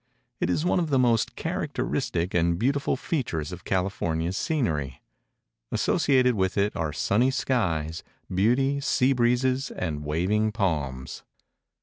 It is one of the most characteristic and beautiful features of California's scenery. Associated with it are sunny skies, beauty, sea breezes and waving palms.